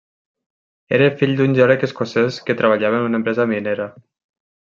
Era fill d'un geòleg escocès que treballava a una empresa minera.